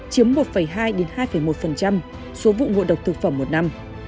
chiếm một hai hai một số vụ ngộ độc thực phẩm một năm